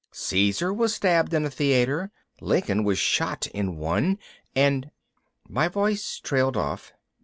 Caesar was stabbed in a theater. Lincoln was shot in one. And...." My voice trailed off.